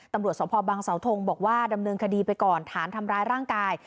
ตำรวจสพบังเสาทงบอกว่าดำเนินคดีไปก่อนฐานทำร้ายร่างกาย